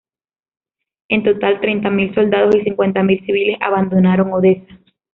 En total, treinta mil soldados y cincuenta mil civiles abandonaron Odesa.